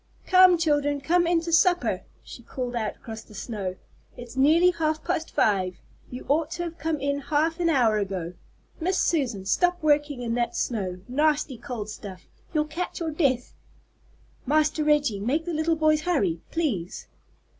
"Come, children, come in to supper," she called out across the snow. "It's nearly half past five. You ought to have come in half an hour ago. Miss Susan, stop working in that snow, nasty cold stuff; you'll catch your death. Master Reggie, make the little boys hurry, please."